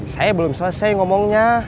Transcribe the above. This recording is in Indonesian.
saya belum selesai ngomongnya